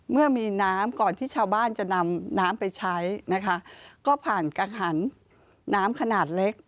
เมื่อมีน้ำก่อนที่ชาวบ้านจะนำน้ำไปใช้นะคะก็ผ่านกังหันน้ำขนาดเล็ก